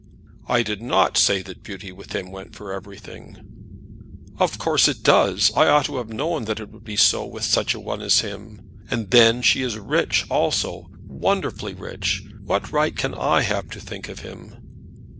"I did not say that beauty with him went for everything." "Of course it does. I ought to have known that it would be so with such a one as him. And then she is rich also, wonderfully rich! What right can I have to think of him?"